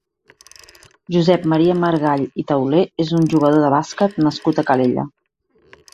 Josep Maria Margall i Tauler és un jugador de bàsquet nascut a Calella.